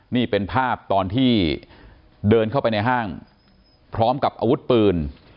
นี่เป็นภาพตอนที่เดินเข้าไปในห้างพร้อมกับอาวุธปืน